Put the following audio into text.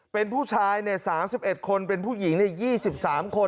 เป็นผู้ชายเนี่ยสามสิบเอ็ดคนเป็นผู้หญิงเนี่ยยี่สิบสามคน